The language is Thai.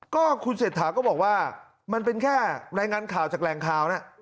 ก็คุณเศรษฐาก็บอกว่ามันเป็นแค่รายงานข่าวจากแหล่งข่าวนะ